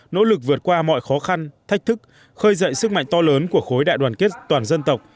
nỗ lực vượt qua mọi khó khăn thách thức khơi dậy sức mạnh to lớn của khối đại đoàn kết toàn dân tộc